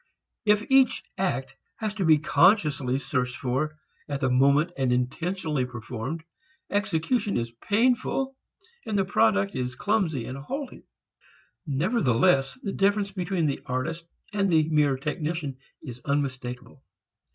If each act has to be consciously searched for at the moment and intentionally performed, execution is painful and the product is clumsy and halting. Nevertheless the difference between the artist and the mere technician is unmistakeable.